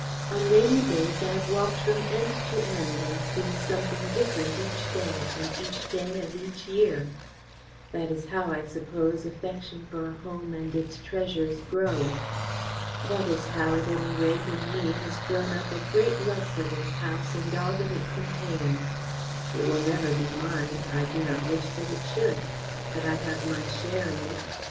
On rainy days I have walked from end to end and seen something different each day and each day of each year. That is how, I suppose, affection for a home and its treasures grows. That is how, at any rate, in me has grown up a great love for this house and all that it contains. It will never be mine I do not wish that it should, but I have my share in it.